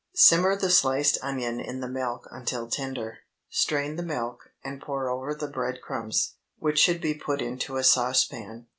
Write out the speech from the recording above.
Simmer the sliced onion in the milk until tender; strain the milk and pour over the bread crumbs, which should be put into a saucepan.